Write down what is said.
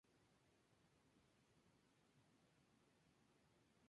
Está situado en la parte este del casco urbano de la ciudad.